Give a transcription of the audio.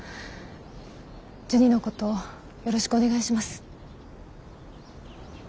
ジュニのことよろしくお願いします。